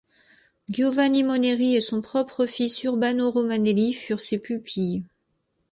Giovanni Moneri et son propre fils Urbano Romanelli furent ses pupilles.